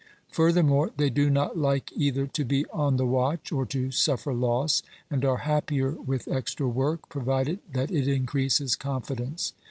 Furthermore, they do not like either to be on the watch or to suffer loss, and are happier with extra work, provided that it increases confidence.